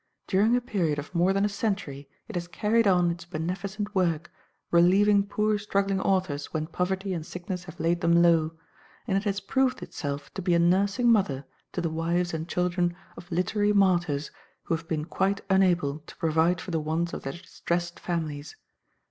During a period of more than a century it has carried on its beneficent work, relieving poor struggling authors when poverty and sickness have laid them low; and it has proved itself to be a "nursing mother" to the wives and children of literary martyrs who have been quite unable to provide for the wants of their distressed families.